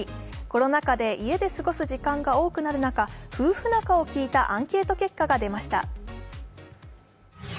コロナ禍で、家で過ごす時間が多くなる中、夫婦仲を聞いたアンケート結果が出ました。